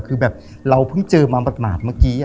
คือแบบเราเพิ่งเจอมาหมาดเมื่อกี้